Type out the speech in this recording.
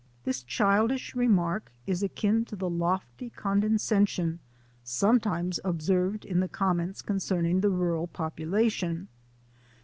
This childish remark is akin to the lofty conde scension sometimes observed in the comments concerning the rural population.